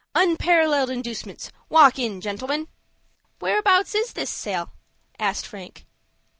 Unparalleled Inducements! Walk in, Gentlemen!" "Whereabouts is this sale?" asked Frank.